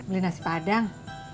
beli nasi padang